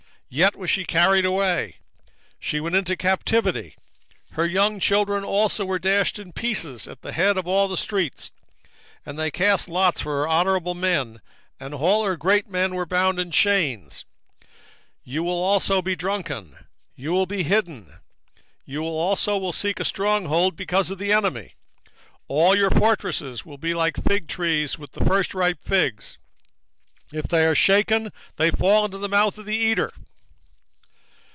3:10 Yet was she carried away, she went into captivity: her young children also were dashed in pieces at the top of all the streets: and they cast lots for her honourable men, and all her great men were bound in chains. 3:11 Thou also shalt be drunken: thou shalt be hid, thou also shalt seek strength because of the enemy. 3:12 All thy strong holds shall be like fig trees with the firstripe figs: if they be shaken, they shall even fall into the mouth of the eater.